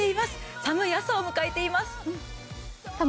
寒い朝を迎えています。